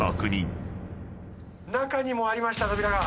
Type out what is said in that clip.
中にもありました扉が。